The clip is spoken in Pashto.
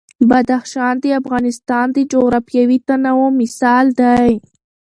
بدخشان د افغانستان د جغرافیوي تنوع مثال دی.